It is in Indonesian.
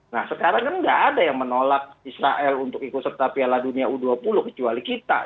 nah sekarang kan nggak ada yang menolak israel untuk ikut serta piala dunia u dua puluh kecuali kita